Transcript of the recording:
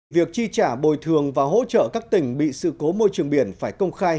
việc chi trả bồi thường và hỗ trợ các tỉnh bị sự cố môi trường biển phải công khai